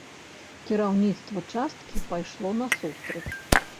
Кіраўніцтва часткі пайшло насустрач.